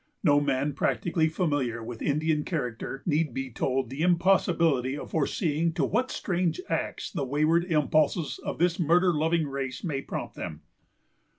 No man practically familiar with Indian character need be told the impossibility of foreseeing to what strange acts the wayward impulses of this murder loving race may prompt them.